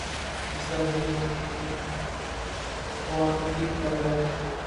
مسئلہ وہی نیم خواندگی کا ہے۔